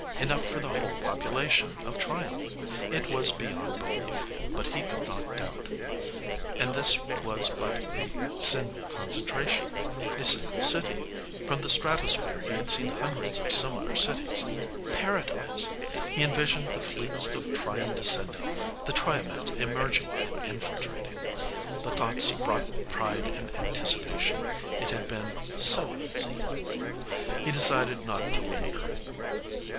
Enough for the whole population of Triom. It was beyond belief, but he could not doubt. And this was but a single concentration. A single city. From the stratosphere he had seen hundreds of similar cities. Paradise! He envisioned the fleets of Triom descending, the Triomeds emerging and infiltrating. The thoughts brought pride and anticipation. It had been so easy.... He decided not to linger.